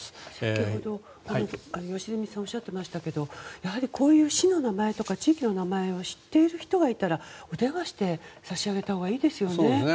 先ほど良純さんがおっしゃってましたけどやはり、こういう市の名前とか地域の名前は知っている人がいたらお電話してさし上げたほうがいいですよね。